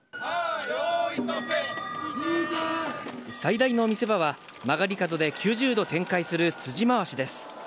最大の見せ場は、曲がり角で９０度転回する辻回しです。